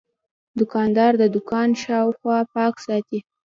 دوکاندار د دوکان شاوخوا پاک ساتي.